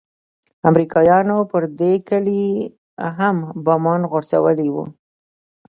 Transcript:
امريکايانو پر دې کلي هم بمان غورځولي وو.